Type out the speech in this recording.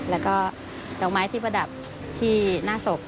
แล้วก็ดอกไม้ที่ประดับที่หน้าศพ